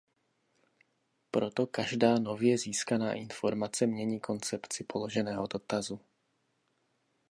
Proto každá nově získaná informace mění koncepci položeného dotazu.